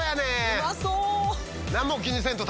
うまそう！